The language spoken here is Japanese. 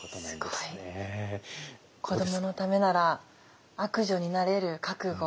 すごい。子どものためなら悪女になれる覚悟。